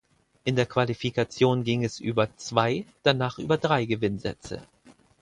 In der Qualifikation ging es über zwei danach über drei Gewinnsätze.